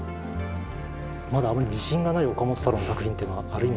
まだあまり自信がない岡本太郎の作品というのはある意味